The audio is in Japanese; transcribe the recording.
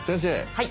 はい。